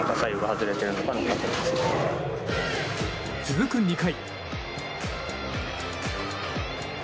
続く２回。